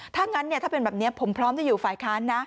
ถ้างั้นถ้าเป็นแบบนี้ผมพร้อมจะอยู่ฝ่ายค้านนะ